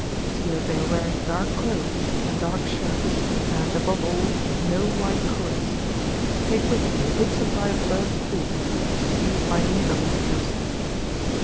See that they are wearing dark clothes and dark shirts and, above all, no white collars. Take with you a good supply of burnt cork such as is used by nigger minstrels."